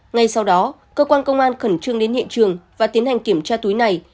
ngay sau đó cơ quan công an khẩn trương đến hiện trường và tiến hành kiểm tra túi này